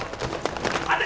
待て！